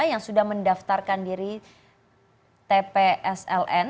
yang sudah mendaftarkan diri tpsln